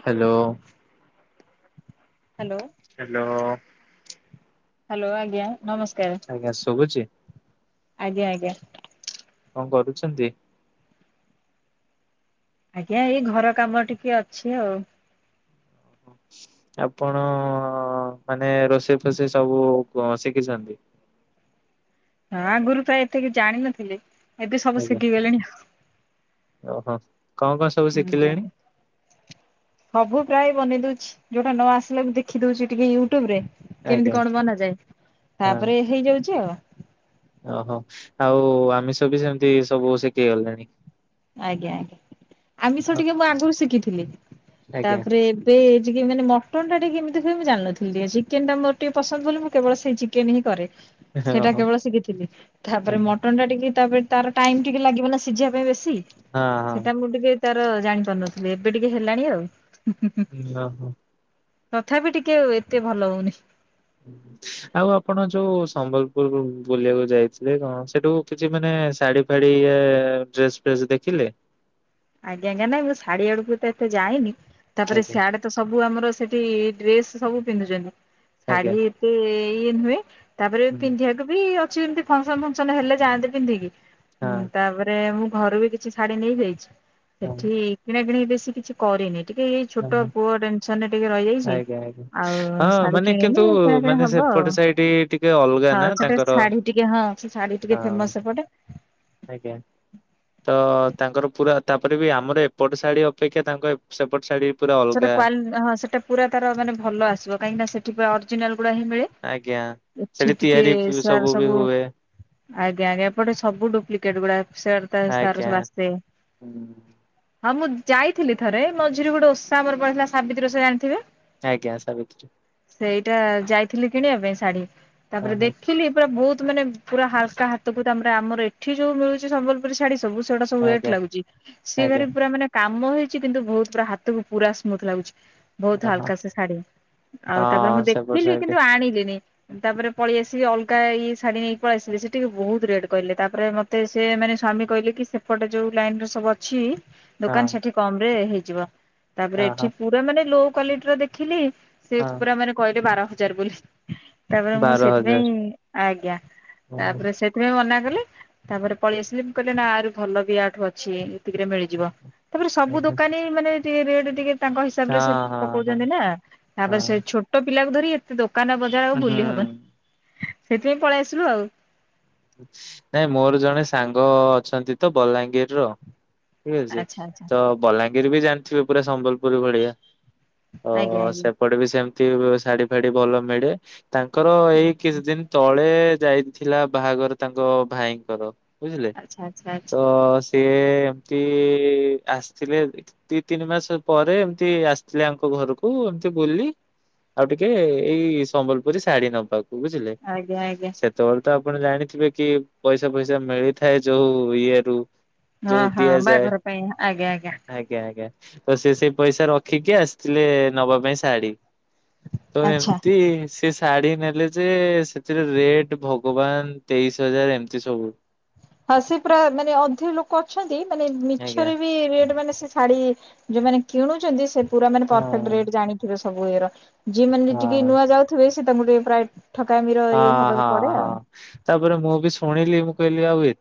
Hello. Hello. Hello. Hello ଆଜ୍ଞା ନମସ୍କାର ଆଜ୍ଞା ଶୁଭୁଛି ଆଜ୍ଞା ଆଜ୍ଞା। କଣ କରୁଛନ୍ତି? ଆଜ୍ଞା ଏଇ ଘର କାମ ଟିକେ ଅଛି ଆଉ। ଆପଣ ମାନେ ରୋଷେଇ ଫୋଷେଇ ସବୁ କ ଶିଖିଛନ୍ତି। ହଁ ଆଗୁରୁ ତ ଏତେ କିଛି ଜାଣିନଥିଲି ଏବେ ସବୁ ଆଜ୍ଞା ଶିଖିଗଲିଣି ଆଉ। ଓହୋ କଣ କଣ ସ ଆମ ଯାକେ ସବୁ ପ୍ରାୟ ବନେଇ ଦଉଛି ଯୋଉଟା ନ ଆସିଲା ବି ଦେଖି ଦଉଛି ଟିକେ ୟୁଟୁବ୍ ରେ। ଆଜ୍ଞା କେମିତି କଣ ବନାଯାଏ ହଁ ତାପରେ ହେଇଯାଉଛି ଆଉ। ଓହୋ ଆଉ ଆମିଷ ବି ସେମିତି ସବୁ ସିକିଗଲେଣି? ଆଜ୍ଞା ଆଜ୍ଞା ଆମିଷ ଟିକେ ମୁଁ ଆଗୁରୁ ଶିକିଥିଲି ଆଜ୍ଞା ତାପରେ‌ ମତେ ଟିକେ ମାନେ ମଟନ୍ ଟା ଟିକେ କେମିତି ହୁଏ ମୁଁ ଜାଣିନଥିଲି ଟିକେ ଚିକେନ୍ ମୋର ଟିକେ ପସନ୍ଦ ବୋଲି ମୁଁ କେବଳ ସେଇ ଚିକେନ୍ ହିଁ କରେ। ଓହୋ ସେଇଟା କେବଳ ଶିଖିଥିଲି ହଁ ହଁ ତାପରେ ମଟନ୍ ଟା ଟିକେ ତାପରେ ତାର ଟାଇମ୍ ଟିକେ ଲାଗିବ ନା ସିଝିବା ପାଇଁ ବେଶି। ସେଟା ମୁଁ ଟିକେ ତାର ଜାଣି ପାରୁନଥିଲି ଏବେ ଟିକେ ହେଲାଣି ଆଉ ହୁଁ ହୁଁ ହୁଁ। ଇ ଲା ହ। ତଥାବି ଟିକେ ଓ ଏତେ ଭଲ ହଉନି। ହୁଁ ‌ହୁଁ। ଆଉ ଆପଣ ଯୋଉ ସମ୍ବଲପୁର ବୁ ବୁଲିଆକୁ ଯାଇଥିଲେ କଣ ସେଠୁ କିଛି ମାନେ ଶାଢୀ ଫାଡି ଏ ଡ୍ରେସ୍ ଫ୍ରେସ୍ ଦେଖିଲେ? ଆଜ୍ଞା ଆଜ୍ଞା ନାଇଁ ମୁଁ ଶାଢୀ ଆଡ଼ୁକୁ ତ ଏତେ ଯାଇନି ତାପରେ ଆଜ୍ଞା ସିଆଡେ ତ ସବୁ ଆମର ସେଠି ଡ୍ରେସ୍ ସବୁ ପିନ୍ଧୁଛନ୍ତି ଆଜ୍ଞା ଶାଢୀ ଏତେ ଇଏ ନୁହେଁ। ତାପରେ ପିନ୍ଧିଆକୁ ବି ଅଛି ଏମିତି ଫଙ୍କସନ ଫଙ୍କସନ ହେଲେ ଯାଆନ୍ତି ପିନ୍ଧିକି। ହଁ ହୁଁ, ତାପରେ ମୁଁ ଘରୁକୁ ବି କିଛି ଶାଢୀ ନେଇଯାଇଛି। ହଁ। ସେଠି କିଣା କିିଣି ବେଶୀ କିଛି କରିନି। ଟିକେ ଏଇ ଛୋଟ ଓହୋ ପୁଅ ଡେନ୍ ସନରେ ଟିକେ ରହିଯାଇଛି ଆଜ୍ଞା ଆଜ୍ଞା। ଆଉ ହଁ ଶାଢୀ ମାନେ କିନ୍ତୁ କିଣିନି କିଣାକିଣି ମାନେ ହବ ଆଉ। ସେପଟ ସାଇଡ ଟିକେ ଅଲଗା ହଁ ନା ସେଟା ତାଙ୍କର ଶାଢୀ ଟିକେ ହଁ, ସେ ଶାଢୀ ହଁ ଟିକେ ଫେମସ୍ ସେପଟେ। ଆଜ୍ଞା। ତ ତାଙ୍କର ପୁରା ତାପରେ ବି ଆମର ଏପଟ ଶାଢ଼ୀ ଅପେକ୍ଷା ତାଙ୍କ ଏପ ସେପଟ ଶାଢ଼ୀ ସେଟା କ୍ୱାଲ ହଁ ସେଟା ପୁରା ତାର ମାନେ ଭଲ ଆସିବ କାହିଁକିନା ସେଠି ପା ଅରିଜିନାଲ ଗୁଡା ହିଁ ମିଳେ। ଆଜ୍ଞା ସେଠି ଏଠି ଟିକେ ତିଆରି ସାର୍ ବି ସବୁ ହୁଏ। ଆଜ୍ଞା ଆଜ୍ଞା ଏପଟେ ସବୁ ଡୁପ୍ଲିକେଟ ଗୁଡା ଏ ସେଆର ତା ତାର ଆଜ୍ଞା ସବୁ ଆସେ। ହୁଁ ହଁ ମୁଁ ଯାଇଥିଲି ଥରେ ମଝିରେ ଗୋଟେ ଓଷା ଆମର ପଡ଼ିଥିଲା ସାବିତ୍ରୀ ଓଷା ଜାଣିଥିବେ? ଆଜ୍ଞା ସାବିତ୍ରୀ। ସେଇଟା ଯାଇଥିଲି କିଣିବା ପାଇଁ ଶାଢୀ ହଁ ତାପରେ ହଁ ଦେଖି ଖିଲି ପୁରା ବହୁତ୍ ମାନେ ପୁରା ହାଲ୍କା ହାତକୁ ତାମରେ ଆମର ଏଠି ଯୋଉ ମିଳୁଛି ସମ୍ବଲ ପୁରୀ ଶାଢୀ ସବୁ ସେଗୁଡା ସବୁ ୱେଟ୍ ଆଜ୍ଞା ଲାଗୁଛି ସିଏ ଆଜ୍ଞା। ଭାରି ପୁରା ମାନେ କାମ ହେଇଛି କିନ୍ତୁ ବହୁତ ପୁରା ହାତକୁ ପୁରା ସ୍ମୁଥ୍ ଲାଗୁଛି। ବହୁତ ଓହୋ ହାଲକା ସେ ଶାଢୀ ଆଉ ତାପରେ ମୁଁ ହଁ ସେପଟ ଦେଖିଲି ସାଇଡ କିନ୍ତୁ ଆଣିଲିନି। ତାପରେ ପଳେଇ ଆସିଲି ଅଲଗା ଇଏ ଶାଢୀ ନେଇ ପଳେଇ ଆସିଲି ସେ ଟିକେ ବହୁତ ରେଟ୍ କହିଲେ ତାପରେ ମତ ତେ ସେ ମାନେ ସ୍ଵାମୀ କହିଲେ କି ସେପଟେ ଯୋଉ ଲାଇନ୍ ରେ ସବୁ ଅଛି ହଁ ଦୋକାନ ସେଠି କମ୍ ରେ ହେଇଯିବ। ତାପରେ ଓହୋ ଏଠି ହଁ ପୁରା ମାନେ ଲୋ କ୍ଵାଲିଟିର ଦେଖିଲି ସେ ହଁ ପୁରା ମାନେ କହିଲେ ବାର ହଜାର ବୋଲି। ତାପରେ ମୁଁ ବାର ସେଥିପାଇଁ ହଜାର। ଆଜ୍ଞା ଓହୋ ତାପରେ ସେ ସ୍ଵାମି ମନାକଲେ, ତାପରେ ପଳେଇ ଆସିଲି ମୁଁ କହିଲି ନା ଆହୁରି ଭଲ ବି ୟାଠୁ ଅଛି। ସେତିକିରେ ମିଳିଯିବ ତାପରେ ସବୁ ଆଜ୍ଞା ଦୋକାନୀ ମାନେ ଟିକେ ରେଟ ଟିକେ ତାଙ୍କ ହିସାବ ରେ ସେ ହଁ ହଁ ପକଉଛନ୍ତି ନା ହଁ ତାପରେ ସେ ଛୋଟ ପିଲାକୁ ଧରି ଏତେ ଦୋକାନ ବ ଯା ଆଉ ହଁ ବୁଲି ହୁଁ। ହବନି ସେଥିପାଇଁ ପଳେଇ ଆସିଲୁ ଆଉ ନାଇଁ ମୋର ଜଣେ ସାଙ୍ଗ ଅଛନ୍ତି ତ ବଲାଙ୍ଗୀର ରୁ ଠିକ୍ ଅଛି ଆଚ୍ଛା ଆଚ୍ଛା ତ ବଲାଙ୍ଗୀର ବି ଜାଣିଥିବେ ପୁରା ସମ୍ବଲପୁର ଭଳିଆ ତ ଆଜ୍ଞା ଆଜ୍ଞା ସେ ପଟେ ବି ସେମିତି ଶାଢ଼ୀ ଫାଡ଼ି ଭଲ ମିଳେ ତାଙ୍କର ଏଇ କିଛି ଦିନ ତଳେ ଯାଇଥିଲା ବାହାଘର ତାଙ୍କ ଭାଇଙ୍କର ବୁଝିଲେ, ଆଚ୍ଛା ଆଚ୍ଛା ଆଚ୍ଛା। ତ ସିଏ ଏମତି ଆସିଥିଲେ ଦି ତିନି ମାସ ପରେ ଏମତି ଆସିଥିଲେ ଆଙ୍କ ଘରକୁ ଏମିତି ବୁଲି ଆଉ ଟିକେ ଏଇ ସମ୍ବଲପୁରୀ ଶାଢ଼ୀ ନବାକୁ ବୁଝିଲେ ଆଜ୍ଞା ଆଜ୍ଞା ସେତେବେଳେ ତ ଆଉ ଆପଣ ଜାଣିଥିବେ କି ପଇସା ଫଇସା ମିଳିଥାଏ ଯୋଉ ଇଏ ରୁ ହଁ ଯୋଉ ହଁ ଦିଆଯାଏ। ବାହାଘର ପାଇଁ ଆଜ୍ଞା ଆଜ୍ଞା, ଆଜ୍ଞା। ତ ସେ ସେଇ ପଇସା ରଖିକି ଆସିଥିଲେ ନବା ପାଇଁ ଶାଢ଼ୀ। ତ ଆଚ୍ଛା। ଏମତି ସେ ଶାଢ଼ୀ ନେଲେ ଯେ ସେଥିରେ ରେଟ୍ ଵ ଭଗବାନ ତେଇଶି ହଜାର ଏମିତି ସବୁ ହଁ ସେ ପୁରା ମାନେ ଅଧିକ ଲୋକ ଅଛନ୍ତି ମାନେ ଆଜ୍ଞା ମିଛରେ ବି ରେଟ୍ ମାନେ ସେ ଶାଢ଼ୀ ଯୋଉମାନେ କିଣୁଛନ୍ତି ସେ ପୁରା ମାନେ ପରଫେକ୍ଟ ହଁ ରେଟ ଜାଣିଥିବେ ସବୁ ଇଏର ଯିଏ ମାନେ ଟିକେ ହଁ ନୂଆ ଯାଉଥିବେ ସେ ତାଙ୍କୁ ଟିକେ ପ୍ରାୟ ଠକାମିର ଇଏ ହଁ ହବାକୁ ହଁ ପଡ଼େ ଆଉ। ହଁ। ତାପରେ ମୁଁ ବି ଶୁଣିଲି ମୁଁ କହିଲି ଆଉ ଏ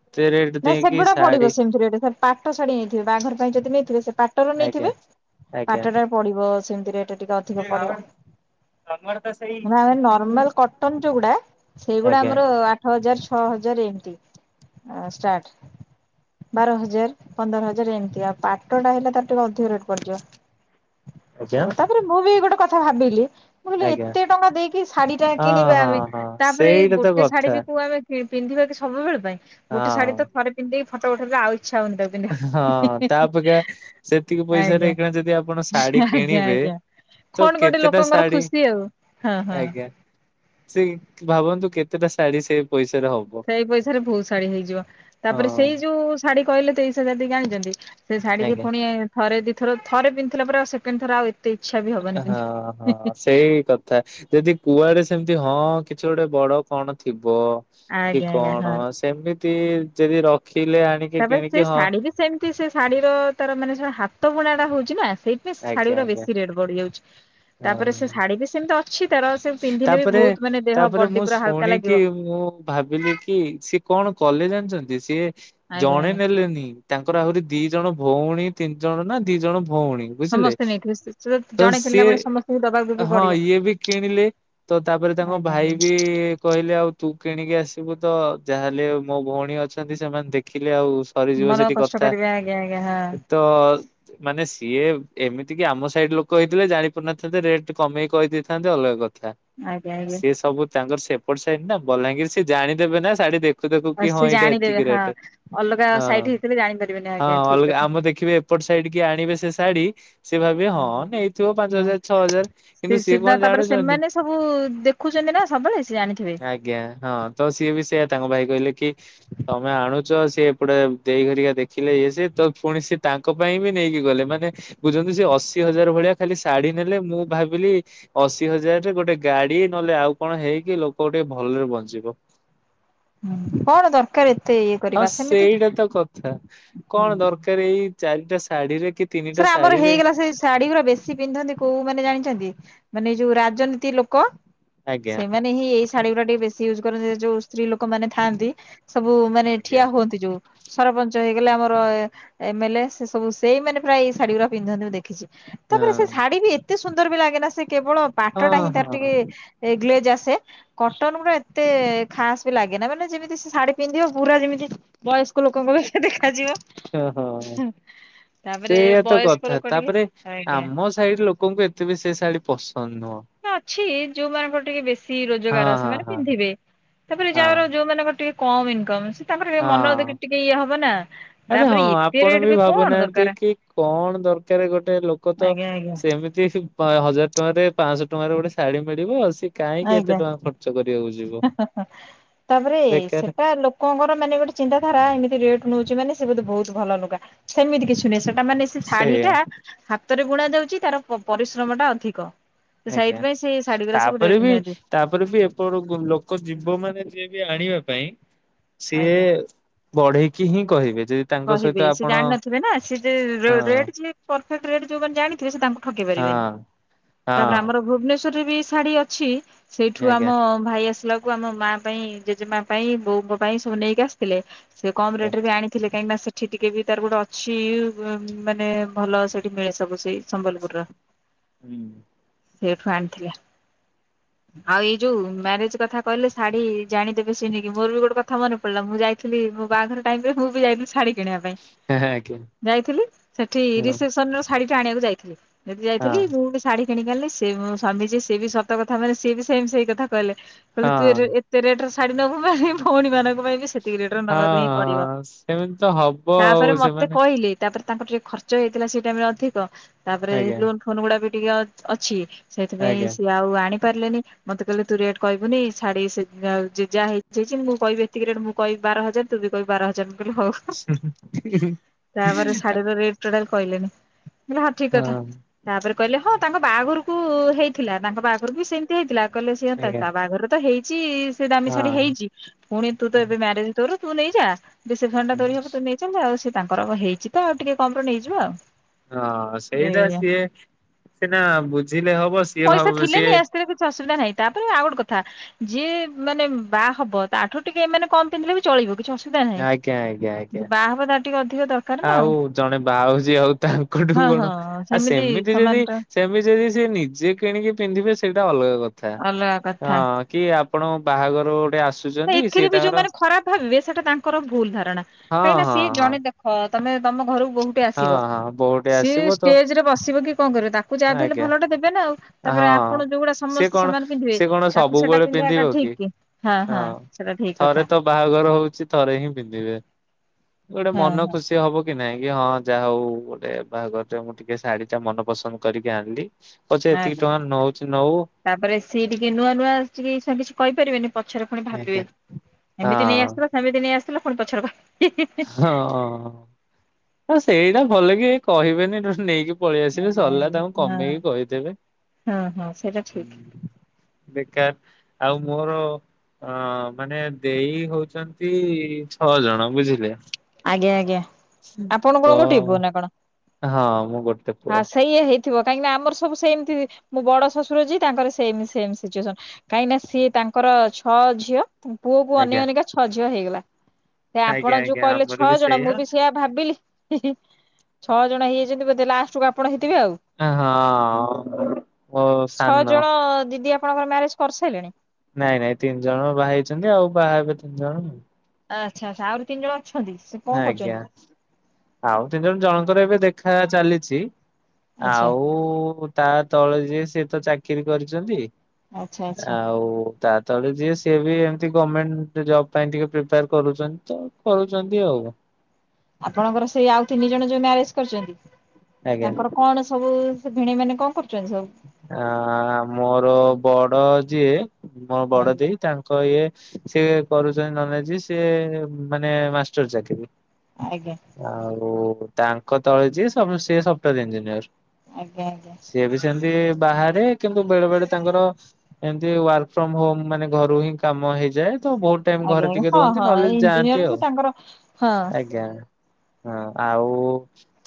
ନାଇଁ ସେଗୁଡ଼ା ପଡ଼ିବ ସେମିତିରେଟ୍ ସେ ପାଟ ଶାଢ଼ୀ ନେଇଥିବେ ବାହାଘର ପାଇଁ ଯଦି ନେଇଥିବେ ସେ ପାଟର ଆଜ୍ଞା ନେଇଥିବେ ଆଜ୍ଞା। ପଡ଼ିବ ସେମିତି ରେଟ୍ ଟିକେ ଅଧିକ ପଡ଼ିବ। କଙ୍ଗର ତ ସେଇ ନା ଆମେ ନର୍ମାଲ କଟନ ଯୋଉଗୁଡ଼ା ସେଇଗୁଡ଼ା ଆଜ୍ଞା ଆମର ଆଠ ହଜାର ଛଅ ହଜାର ଏମିତି ଆ ଷ୍ଟାର୍ଟ ବାର ହଜାର ପନ୍ଦର ହଜାର ଏମିତି ଆଉ ପାଟ ଟା ହେଲେ ତାର ଟିକେ ଅଧିକ ରେଟ୍ ପଡ଼ିଯିବ। ସୁ ଆଜ୍ଞା। ତାପରେ ମୁଁ ବି ଗୋଟେ କଥା ଭାବିଲି ବୁହିଲେ ଆଜ୍ଞା ଏତେ ଟଙ୍କା ଦେଇକି ଶାଢ଼ୀ ଟା ହଁ କିଣିବେ ଆମେ ହଁ ହଁ ତାପରେ ଏଇ ସେଇଟା ତ ଗୋଟେ ଶାଢ଼ୀ କଥା କି କୋଉଆମେ ପିନ୍ଧିବା କି ସବୁବେଳ ପାଇଁ ଗୋଟେ ହଁ ଶାଢ଼ୀ ତ ଥରେ ପିନ୍ଧିକି ଫଟୋ ଉଠେଇ ଆଉ ଇଛା ହଉନି ତାକୁ ପିନ୍ଧିବା ହଁ ତା ପାଇଁ। ଅପେକ୍ଷା ସେତିକି ପଇସାରେ ଆଜ୍ଞା ଏଇଖିଣା ଯଦି ଆପଣ ଶାଢ଼ୀ ଆଜ୍ଞା କିଣିବେ ଆଜ୍ଞା ତ କଣ ଗୋଟେ କେତେଟା ଲୋକଙ୍କର ଶାଢ଼ୀ ଖୁସି ଆଉ ହଁ ହଁ। ଆଜ୍ଞା। ସେଇ ଭାବନ୍ତୁ କେତେଟା ଶାଢ଼ୀ ସେ ପଇସାରେ ହବ ସେଇ ପଇସାରେ ବହୁତ ଶାଢ଼ୀ ହେଇଯିବ ହଁ ତାପରେ ସେଇ ଯୋଉ ଶାଢ଼ୀ କହିଲେ ତେଇସି ହଜାର ଦେଇକି ଆଣିଛନ୍ତି ସେ ଶାଢ଼ୀ ଆଜ୍ଞା ପୁଣି ଥରେ ଦିଇଥ ଥରେ ପିନ୍ଧିଥିଲେ ପରା ଆଉ ସେକେଣ୍ଡ ଥର ଆଉ ଏତେ ଇଚ୍ଛା ବି ହବନି ହଁ ହଁ ପିନ୍ଧିବାକୁ। ସେଇ କ ଥା ଯଦି କୁଆଡ଼େ ସେମତି ହଁ କିଛି ଗୋଟେ ବଡ଼ କଣ ଥିବ? କି ଆଜ୍ଞା ଆଜ୍ଞା ହଁ। କଣ ସେମିତି ଯଦି ରଖିଲେ ଆଣି ତାପରେ ସେ ଶାଢ଼ୀ ବି ସେମିତି ସେ ଶାଢ଼ୀର ତାର ମାନେ ସେ ହାତ ବୁଣା ଟା ହଉଛି ନା ସେଇ ସେ ଶାଢ଼ୀ ଆଜ୍ଞା ଗୁରା ଆଜ୍ଞା ବେଶୀ ରେଟ୍ ବଢ଼ି ଯାଉଛି ତାପରେ ସେ ହଁ ଶାଢ଼ୀ ବି ସେମିତି ଅ ଅଛି ତାର ସେ ପିନ୍ଧିଲେ ବି ତାପରେ ବହୁତ ମାନେ ଦେହ ତାପରେ ମୁଁ ବଡି ପୁରା ହାଲକା ଶୁଣିକି ଲାଗିବ। ମୁଁ ଭାବିଲି କି ସିଏ କଣ କଲେ ଜାଣିଛନ୍ତି ସିଏ ଆଜ୍ଞା ଜଣେ ଆଜ୍ଞା ନେଲେନି ତାଙ୍କର ଆହୁରି ଦି ଜଣ ଭଉଣୀ ତିନି ଜଣ ନା ଦି ଜଣ ଭଉଣୀ ବୁଝିଲେ ସମସ୍ତେ ନେଇଥିବେ ତ ଜଣେ କିଣିଲା ସିଏ ବେଳେ ସମସ୍ତଙ୍କୁ ଦବାକୁ ବି ହଁ ପଡିବ। ଇଏ ବି କେଣିଲେ ତ ତାପରେ ତାଙ୍କ ଆଜ୍ଞା। ଭାଇ ବି କହିଲେ ଆଉ ତୁ କିଣିକି ଆସିବୁ ତ ଯାହାହେଲେ ମୋ ଭଉଣୀ ଅଛନ୍ତି ସେମାନେ ଦେଖିଲେ ଆଉ ସରିଯିବ ମନ ସେଠି କଷ୍ଟ କଥା କରିବେ ଆଜ୍ଞା ଆଜ୍ଞା ହଁ ଏ ତଫା ମାନେ ସିଏ ଏମିତି କିି ଆମ ସାଇଡ ଲୋକ ହେଇଥିଲେ ଜାଣି ପାରୁନଥାନ୍ତେ ରେଟ୍ କମେଇ କହିଦେଇ ଥାନ୍ତେ ଅଲଗା କଥା ଆଜ୍ଞା ଆଜ୍ଞା। ସିଏ ସବୁ ତାଙ୍କର ସେପ୍ ପଢିସାଇନ ନା ବଲାଙ୍ଗୀର ସିଏ ଜାଣିଦେବେ ନା ଶାଢୀ ଦେ ଖୁ ଦେଖୁ ଆ କି ହଁ ସେ ଏଇଟା ଜାଣିଦେବେ ଏତିକି ହଁ ରେଟେ ଅଲଗା ହଁ ସାଇଟ୍ ହେଇଥିଲେ ଜାଣିପାରିବେନି ହଁ ଆଜ୍ଞା ଠିକ୍ ଅଲଗା କଥା। ଆମ ଦେଖିବେ ଏପଟ ସାଇଡିକି ଆଣିବେ ସେ ଶାଢୀ ସେ ଭାବବେ ହଁ ଆଜ୍ଞା ନେଇଥିବ ପାଞ୍ଚ ହଜାର ଛଅ ହଜାର କିନ୍ତୁ ସ୍ ସେଟା ତାପରେ ସେମାନେ ସବୁ ଦେଖୁଚନ୍ତି ନା ସବୁବେଳେ ସେ ଜାଣିଥିବେ। ଆଜ୍ଞା ହଁ ତ ସିଏ ବି ସେୟା ତାଙ୍କ ଭାଇ କହିଲେ କି ତମେ ଆଣୁଚ ସିଏ ଏପଟେ ଦେଇ ହରିକା ଦେଖିଲେ ଇଏ ସିଏ ତ ଫୁଣି ସେ ତାଙ୍କ ପାଇଁ ବି ନେଇକି ଗଲେ ମାନେ ବୁଝନ୍ତୁ ସିଏ ଅଶି ହଜାର ଭଳିଆ ଖାଲି ଶାଢୀ ନେଲେ ମୁଁ ଭାବିଲି ଅଶି ହଜାରରେ ଗୋଟେ ଗାଡି ନହେଲେ ଆଉ କଣ ହେଇକି ଲୋକ ଗୋଟିଏ ଭଲରେ ବଞ୍ଚିବ। ହୁଁ କଣ ଦର କାର ଏତେ ଇଏ କ ହଁ ସେଇଟା ତ କଥା କଣ ଦରକାର ଏଇ ଚାରିଟା ଶାଢୀରେ କି ତିନିଟା ସେରା ଆମର ଶାଢୀରେ ହେଇଗଲା ସେଇ ଶାଢୀଗୁରା ବେଶ୍ ଛି ପିନ୍ଧନ୍ତି କୋଉ ମାନେ ଜାଣିଛନ୍ତି ମାନେ ଏଇ ଯୋଉ ରାଜନୀତି ଲୋକ ଆଜ୍ଞା। ସେମାନେ ହିଁ ଏଇସ୍ ଶାଢୀଗୁରା ଟିକେ ବେଶୀ ୟୁଜ କରନ୍ତି ଏ ଯୋଉ ସ୍ତ୍ରୀ ଲୋକମାନେ ଥାଆନ୍ତି ସବୁ ମାନେ ଠିଆ ହୁଅନ୍ତି ଯୋଉ। ସରପଞ୍ଚ ହେଇଗଲେ ଆମର ଏ ଏମ୍ ଏଲ୍ ଏ ସେ ସବୁ ସେଇମାନେ ପ୍ରାୟେ ଏଇ ଶାଢୀଗୁରା ପିନ୍ଧନ୍ତି ମୁଁ ଦେଖିଚି। ହଁ ତାପରେ ସେ ଶାଢୀ ବି ଏତେ ସୁନ୍ଦର ବି ଲାଗେନା ସେ କେବଳ ପାଟଟା ହିଁ ହଁ ତାର ହଁ ଟିକେ ଏ ଗ୍ଲେଜ ଆସେ କଟନଗୁଡା ଏତେ ଖାସ ବି ଲାଗେନା ମାନେ ଯେମିତି ସେ ଶାଢୀ ପିନ୍ଧିବ ପୁରା ଯେମିତି ବୟସ୍କ ଲୋକଙ୍କ ଭଳିଆ ଦେଖାଯିବ। ଓହୋ ତାପରେ ସେଇଆ ତ ବୟସ୍କ କଥା ଲୋକ ଟିକେ ତାପରେ ଆଜ୍ଞା। ଆମ ସ୍ ସାଇଡ୍ ଲୋକଙ୍କୁ ଏତେ ବି ସେ ଶାଢୀ ପସନ୍ଦ ନୁହଁ। ନା ଅଛି ଯୋଉମାନଙ୍କର ଟିକେ ବେଶୀ ହଁ ରୋଜଗାର ହଁ ସେମାନେ ହଁ ପିନ୍ଧିବେ ତାପରେ ହଁ ଯାଅର ଯୋଉମାନଙ୍କର ଟିକେ କମ୍ ଇନକମ୍ ସେ ତାପରେ ଏ ମନ ଦି ହଁ। ଟିକେ ଇଏ ହବ ନା ଆରେ ହଁ ତାପରେ ଏତେ ଆପଣ ରେଟ୍ ବି କଣ ଭାବୁନାହାନ୍ତି ଦରକାରେ। କି କଣ ଦରକାରେ ଗୋଟେ ଲୋକ ତ ଆଜ୍ଞା ଆଜ୍ଞା ସେମିତ ଯେ ସେଇ ପାଁ ହଜାର ଟଙ୍କାରେ ପାଂଶ ଟଙ୍କାରେ ଗୋଟେ ଶାଢୀ ମିଳିବ ସିଏ କାହିଁକି ଏତେ ଆଜ୍ଞା ଟଙ୍କା ଖର୍ଚ୍ଚ କରିବାକୁ ଯିବ। ହା ହା ହା ତାପରେ ବେକାର ସେଟା ଲୋ କଣଙ୍କର ମାନେ ଗୋଟେ ଚିନ୍ତାାରା ଏମିତି ରେଟ ନୋଉଚି ମାନ ସେ ବୋଧେ ବୋହୁତ ଭଲ ଲୁଗା ସେମିତି କିଛି ନୁହେଁ ସେଟା ମାନେ ସ୍ ସେ ସେଇଆ ଶାଢୀଟା ହାତରେ ବୁଣାଯାଉଚି ତାର ପ-ପରିଶ୍ରମଟା ଅଧିକ। ତ ଆଜ୍ଞା ସେଇଥିପାଇଁ ସେ ଶାଢୀ ଗୁରା ସବୁ ତାପରେ ରେଟ୍ ବି ନିଅନ୍ତି ତାପରେ ବି ଏପଟକୁ ଲୋକ ଜୀବ ମାନେ ଯିଏ ବି ଆଣିବା ପାଇଁ ସିଏ ଆଜ୍ଞା। ବଢେଇ କି ହିଁ କହିବେ ଯେ କହିବେ ସିଏ ଜାଣିନଥିବେ ନା ଯେ ଯୋଉ ହଁ ହଁ ରେଟ୍ ଯିଏ ପରଫେକ୍ଟ ରେଟ୍ ଯୋଉମାନେ ଜାଣିଥିବେ ସେ ତାଙ୍କୁ ଠକି ପାରିବେନି ହଁ ତାପରେ ଆମର ଆଜ୍ଞା ଭୁବେନେଶ୍ୱରରେ ବି ଶାଢୀ ଅଛି ସେଇଠୁ ଆମ ଭାଇ ଆସିଲା କୁ ଆମ ମାଆ ପାଇଁ ଜେଜେମା ପାଇଁ ବୋଉଙ୍କ ପାଇଁ ସବୁ ନେଇକି ଆସିଥିଲେ ସେ କମ ଆଜ୍ଞା ରେଟରେ ବି ଆଣି କାହିଁକିନା ସେଠି ଟିକେ ବି ତାର ଗୋଟେ ଅଛି ଉଁ ମାନେ ଭଲ ସେଠି ମିଳେ ସବୁ ସେଇ ସମ୍ବଲପୁରର ହୁଁ ସେଇଠୁ ଆଣିଥିଲେ। ଆଉ ଏଇ ଯୋଉ ମ୍ୟାରେଜ କଥା କହିଲେ ଶାଢୀ ଜାଣିଦେବେ ସେ ନେଇକି ମୋର ବି ଗୋଟେ କଥା ମନେ ପଲା ମୁଁ ଯାଇଥିଲି ମୋ ବାହାଘର ଟାଇମରେ ମୁଁ ବି ଯାଇ ଶାଢୀ କିଣିବା ପାଇଁ ଆଜ୍ଞା ଯାଇଥିଲି ସେଠି ହଁ ରିସେପସନରୁ ଶାଢୀଟା ଆଣିବାକୁ ଯାଇଥିଲି। ସେଠି ଯାଇଥିଲି ହଁ ମୁଁ ବି ସ୍ ଶାଢୀ କିଣିକ ଆଣିଲେ ସେ ମୋ ସ୍ୱାମି ଯିଏ ସେ ବି ସତ କଥା ମାନେ ସିଏ ବି ସେମ୍ ସେଇ କଥା କହିଲେ କହିଲେ ହଁ ତୋର ଏ ଏତେ ରେଟରେ ଶାଢୀ ନବୁ ମାନେ ଭଉଣୀ ମାନଙ୍କ ପାଇଁ ବି ସେ ହଁ ଅଁ ସେମିତି ତ ହ ତାପରେ ମୋତେ କହିଲେ ତାପରେ ତାଙ୍କର ଟିକେ ଖର୍ଚ୍ଚ ହେଇଥିଲା ସେଇ ଟାଇମ୍ ରେ ଅଧିକ। ତାପରେ ଆଜ୍ଞା ଲୋନ୍ ଫୋନ୍ ଗୁଡା ବି ଟିକେ ଅ- ଅଛି। ସେଇଥିପାଇଁ ଆଜ୍ଞା ସିଏ ଆଉ ଆଣି ପାରିଲେନି ମୋତେ କହିଲ ତୁ ରେଟ୍ କହିବୁନି ଶାଢ଼ୀ ସେ ଯାଉ ଯେ ଯାହା ହେଇଛି ହେଇଛିି ମୁଁ କହିବି ଯେତିକି ରେଟ୍ ମୁଁ କହିବି ବାର ହଜାର ଦେବି, ଇଏ କହିବେ ବାର ହଜାର ମୁଁ କହିଲି ହଉ ତାପରେ [inaudible] ଶାଢୀର ରେଟ ଟୋଟାଲ କହିଲେନି, ମୁଁ କହିଲି ହଁ ଠିକ କଥା, ତାପରେ କହିଲେ ହଁ ତାଙ୍କ ବାହାଘର କୁ ହେଇଥିଲା, ତାଙ୍କ ବାହାଘର କୁ ବି ସେମିତି ହେଇଥିଲା। କହିଲେ ସେଇଆ ତ ଆଜ୍ଞା ତା ବାହାଘରରେ ତ ହେଇଚି [unintelligible] ଦାମି ଶାଢ଼ୀ ହଁ ହେଇଚି, ପୁଣି ତୁ ତ ଏବେ ମ୍ୟାରେଜ୍ ତୋର ତୁ ନେଇଯା। ରିସେପସନ୍ ଟା ତୋରି ହବ ତୁ ନେଇ [unintelligible] ଆଉ ସେ ତାଙ୍କର ହେଇଚି ତ ଆଉ ଟିକେ କମର ନେଇଯିବା ଆଉ। ହଁ ସେଇଟା ଏଇଆ। ସିଏ ସିନା ବୁଝିଲେ ହବ। ସିଏ ପଇସା ଭାବ ଥିଲେ ସିଏ ନେଇ ଆସିଥିଲେ କିଛି ଅସୁବିଧା ନାହିଁ। ତାପରେ ବି ଆଉ ଗୋଟେ କଥା ଯିଏ ମାନେ ବାହା ହବ ତାଠାରୁ ଟିକେ ଏମାନେ କମ୍ ପିନ୍ଧିଲେ ବି ଚଳିବ କିଛି ଅସୁବିଧା ନାହିଁ, ଆଜ୍ଞା ଆଜ୍ଞା ଆଜ୍ଞା ଯିଏ ବାହା ହବ ତାର ଟିକେ ଅଧିକ ଦର ଆଉ ଜଣେ ବାଆ ହଉଚି ଆଉ ତାଙ୍କଠୁ ହଁ କଣ ହଁ ଆଉ ସେମିତି ସମାନ ଯଦି ଟା ଏମିତି ଯଦି ସିଏ ନିଜେ କିଣିକି ପିନ୍ଧିବେ ସେଇଟା ଅଲଗା କଥା, ଅଲଗା କଥା। ହଁ। କିଏ ଆପଣ ବାହାଘରୁ ଗୋଟେ ଆସୁ ନା ଏଥିରେ ବି ଯୋଉମାନେ ଖରାପ ଭାବିବେ ସେଇଟା ତାଙ୍କର ଭୁଲ ଧାରଣା। ହଁ କାହିଁକି ନା ହଁ ସିଏ ଜଣେ ଦେ ହଁ ତୋମେ ତୋମ ଘରକୁ ବହୁ ଟେ ହଁ ଆସିବ ହଁ ବୋହୂଟେ ସିଏ ଆସିବ ତ ଷ୍ଟେଜ୍ ରେ ବସିବ କି କଣ କରିବ ତାକୁ ଯାହା ବି ହେଲେ ଆଜ୍ଞା ଭଲଟେ ଦେବେ ନା ଆଉ। ତାପରେ ହଁ। ଆପଣ ଯୋଉଗୁଡା ସେ ସମସ୍ତେ କଣ ସମାନ ପିନ୍ଧିବେ ସେ କଣ ତାକୁ ସେଟା ସବୁବେଳେ ପିନ୍ଧିବ ପିନ୍ଧେଇବାଟା ଠିକ୍ କି? ହଁ, ହଁ। ସେଟା ଠିକ ଥରେ କଥା ତ ବାହାଘର ହଉଛି ଥରେ ହିଁ ପିନ୍ଧିବେ। ଗୋଟେ ହଁ ମନ ହଁ ଖୁସି ହବ କି ନାଇଁ କି ହଁ ଯାହା ହଉ ଗୋଟେ ବାହାଘରଟେ ମୁଁ ଟିକେ ଶାଢୀ ଟା ମନ ପସନ୍ଦ କରିକି ଆଣିଲି ପଛେ ଏତିକି ଆଜ୍ଞା। ଟଙ୍କା ନଉଚି ନଉ ତାପରେ ସିଏ ଟିକେ ନୂଆ ନୂଆ ଆସିଛି, ଏଇ ସାଙ୍ଗେ କିଛି କହିପାରିବେନି। ପଛରେ ଫୁଣି ଭାବିବେ, ଆଜ୍ଞା। ଏମିତି ନେଇ ହଁ ଆସିଥିଲ, ସେମିତି ନେଇ ଆସିଥିଲ। ପୁଣି ପଛରେ ଭାବ ହଁ ଅ, ସେଇଟା ଭଲ କି ଏ କହିବେନି ତ ନେଇକି ପଳେଇ ଆସିବେ ସରିଲା ତାଙ୍କୁ ଆଜ୍ଞା ହଁ। କମେଇକି କହିଦେବେ। ହଁ ହଁ ସେଇଟା ଠିକ ବେକାର ଆଉ ମୋର ଅଁ ମାନେ ଦେଇ ହଉଛନ୍ତି ଛଅ ଜଣ ବୁଝିଲେ। ଆଜ୍ଞା ଆଜ୍ଞା ଆପଣ ତ କଣ ଗୋଟିଏ ପୁଅ ନା କଣ? ହଁ ମୁଁ ଗୋଟେ ପୁଅ ହଁ ସେଇଆ ହେଇ ଥିବ କାହିଁକି ନା ଆମର ସବୁ ସେମତି ମୋ ବଡ ଶଶୁର ଯିଏ ତାଙ୍କର ସେମ ସେମ ସିଚୁଏସନ। କାହିଁକି ନା ସିଏ ତାଙ୍କର ଛଅ ଝିଅ, ପୁଅକୁ ଅନେଇ ଆଜ୍ଞା ଅନେଇକା ଛଅ ଝିଅ ହେଇଗଲା। ସେ ଆପଣ ଆଜ୍ଞା ଯୋଉ ଆଜ୍ଞା କହିଲେ ଆମର ଛଅ ବି ଜଣ ମୁଁ ସେଇଆ। ଭାବିଲି ଛଅ ଜଣ ହେଇଯାଇଛନ୍ତି ବୋଧେ ଲାଷ୍ଟକୁ ଆପଣ ହେଇଥିବେ ଆଉ। ହଁ। ମୋ ସାନ ଛଅ ଜଣ ଦିଦି ଆପଣଙ୍କର ମ୍ୟାରେଜ କରିସାରିଲେଣି? ନାଇଁ ନାଇଁ ତିନି ଜଣ ବାହା ହେଇଛନ୍ତି ଆଉ ବାହା ହେବେ ତିନି ଜଣ। ଆଚ୍ଛା ଆଚ୍ଛା ଆହୁରି ତିନି ଜଣ ଅଛନ୍ତି? ସେ କଣ ଆଜ୍ଞା କରୁଛନ୍ତି? ଆଉ ତିନି ଜଣ ଜଣଙ୍କର ଏବେ ଦେଖା ଚାଲିଛି। ଆଚ୍ଛା ଆଉ ତା ତଳେ ଯିଏ ସିଏତ ଚାକିରି କରିଛନ୍ତି। ଆଚ୍ଛା ଆଚ୍ଛା ଆଉ ତା ତଳେ ଯିଏ ସିଏ ବି ଏମିତି ଗଭର୍ଣମେଣ୍ଟ ଜବ ପାଇଁ ଟିକେ ପ୍ରିପେୟାର କରୁଚନ୍ତି ତ କରୁଚନ୍ତି। ତି ଆଉ। ଆପଣଙ୍କର ସେଇ ଆଉ ତିନି ଜଣ ଯୋଉ ମ୍ୟାରେଜ କରିଚନ୍ତି ଆଜ୍ଞା ତାଙ୍କର କଣ ସବୁ ଭିଣେଇ ମାନେ କ ଣ କରୁଛନ୍ତି ସବୁ? ଆ ମୋର ବଡ ଯିଏ ମୋ ବଡ ଆଜ୍ଞା ଦେଇ ତାଙ୍କ କ ଏ ସିଏ କରୁଛନ୍ତି ନଲେ ସିଏ ମାନେ ମାଷ୍ଟର ଚାକିରି। ଆଜ୍ଞା। ଆଉ ତାଙ୍କ ତଳେ ଯିଏ ସବୁ ସିଏ ସଫ୍ଟୱୟାର ଇଞ୍ଜିନିୟର। ଆଜ୍ଞା ଆଜ୍ଞା। ଯେମିତି ବାହାରେ କିନ୍ତୁ ବେଳେ ବେଳେ ତାଙ୍କର ଏମତି ୱାର୍କ ଫ୍ରମ ହୋମ ମାନେ ଘରୁ ହିଁ କାମ ହେଇଯାଏ ତ ବହୁତ ଟାଇମ ଆଜ୍ଞା ଘରେ ଆଜ୍ଞା ଟିକେ ହଁ ରୁହନ୍ତି ହଁ ନହେଲେ ଇଞ୍ଜିନିୟର ଯାଆନ୍ତି ଆଉ, ସେ ତାଙ୍କର ହଁ ଆଜ୍ଞା। ହଁ ଆଉ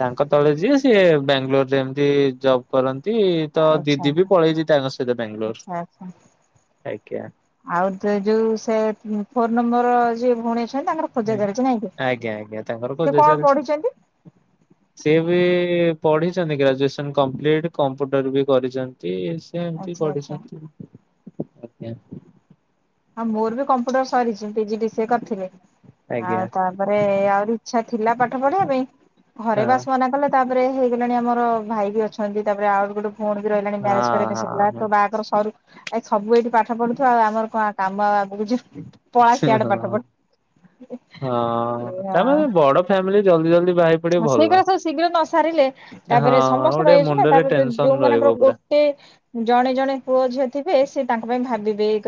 ତାଙ୍କ ତଳେ ଯିଏ ସିଏ ବାଙ୍ଗଲୋର ରେ ଏମିତି ଜବ କରନ୍ତି। ତ ଆଚ୍ଛା ଆଚ୍ଛା ଦିଦି ବି ଆଚ୍ଛା ପଳେଇଛି ତାଙ୍କ ସହିତ ବାଙ୍ଗଲୋର ଆଚ୍ଛା। ଆଜ୍ଞା। ଆଉ ତେ ଯୋଉ ସେ ଫୋନ ନମ୍ବର ଯିଏ ଭଉଣୀ ଅଛନ୍ତି ତାଙ୍କର ଖଜାରଛି ନାଇଁ କି ଆଜ୍ଞା ଆଜ୍ଞା ତାଙ୍କର ସେ ଖୋଜା କଣ ଚାଲିଛି। ପଢିଛନ୍ତି? ସିଏ ବି ପଢିଛନ୍ତି ଗ୍ରାଜୁଏସନ କମ୍ପ୍ଲିଟ, କମ୍ପ୍ୟୁଟର ବି କରିଛନ୍ତି। ସେ ଏମତି ଆଚ୍ଛା ଆଚ୍ଛା ପଢ଼ିଛନ୍ତି। ଆଉ ମୋର ବି କମ୍ପ୍ୟୁଟର ସରିଛି P G D C A କରିଥିଲି। ଆଜ୍ଞା ଆଉ ତାପରେ ଆହୁରି ଇଚ୍ଛା ଥିଲା ପାଠ ପଢିବା ପାଇଁ ଘରେ ହଁ। ବାସ ମନା କଲେ। ତାପରେ ହେଇଗଲାଣି ଆମର ଭାଇ ବି ଅଛନ୍ତି ତାପରେ ଆଉ ଗୋଟେ ଫୁଣି ବି ରହିଲାଣି ମ୍ୟାରେଜ ହଁ କରି ହଁ ସେଥିଲା ତ ବାହାଘର ସରୁ ଆ ସବୁ ଏଇଠି ପାଠ ପଢୁଥିବା ଆଉ ଆମର କଣ କାମ ଆଗଉଚି ପଳା ହଁ ସିଆଡେ ହଁ। ପାଠ ପଢୁ। ହଁ ଏଇଆ ତାପରେ ବଡ ଫ୍ୟାମିଲି ଜଲ୍ଦି ଜଲ୍ଦି ବାହାରି ପଡିବ ଭଲ। ସେଗଡା ସବୁ ଶୀଘ୍ର ନସାରିଲେ ହଁ ତାପରେ ଆଉ ସମସ୍ତେ ଗୋଟେ ରହିଅଛି ନା ମୁଣ୍ଡରେ ତାପରେ ଯୋଉ ଟେନସନ ମାନଙ୍କର ରହିବ ପୁରା। ଗୋଟ ସେ ଜଣେ ଜଣେ ପୁଅ ଝିଅ ଥିବେ ସେ ତାଙ୍କ ପାଇଁ ଭାବିବେ ଇଏ